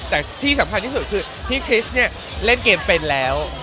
แต่ที่สำคัญที่สุดคือพี่คริสเนี่ยเล่นเกมเป็นแล้ว